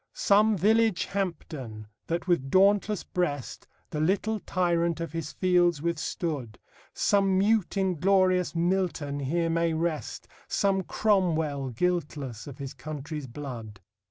Some village Hampden, that with dauntless breast The little tyrant of his fields withstood; Some mute, inglorious Milton here may rest, Some Cromwell guiltless of his country's blood.